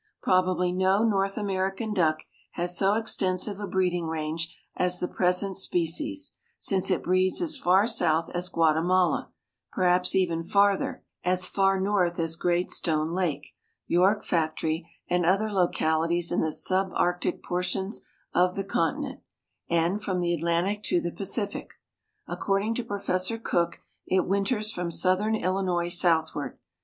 Probably no North American duck has so extensive a breeding range as the present species, since it breeds as far south as Guatemala, perhaps even farther; as far north as Great Stone Lake, York Factory, and other localities in the sub Arctic portions of the continent, and from the Atlantic to the Pacific. According to Professor Cook it winters from southern Illinois southward.